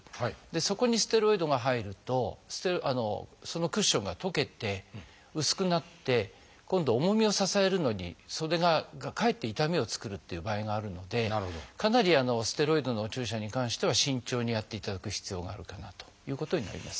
そこにステロイドが入るとそのクッションが溶けて薄くなって今度重みを支えるのにそれがかえって痛みを作るっていう場合があるのでかなりステロイドのお注射に関しては慎重にやっていただく必要があるかなということになります。